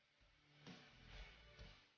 ya mak yang bener ya